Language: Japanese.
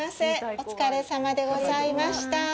お疲れさまでございました。